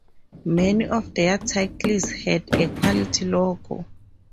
Many of their titles had a Quality logo.